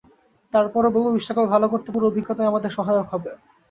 তার পরও বলব, বিশ্বকাপে ভালো করতে পুরো অভিজ্ঞতাই আমাদের সহায়ক হবে।